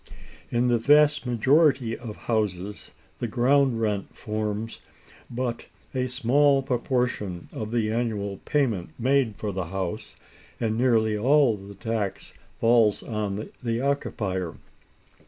In the vast majority of houses the ground rent forms but a small proportion of the annual payment made for the house, and nearly all the tax falls on the occupier.